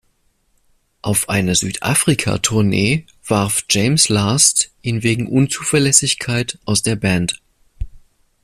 Auf einer Südafrika-Tournee warf James Last ihn wegen Unzuverlässigkeit aus der Band.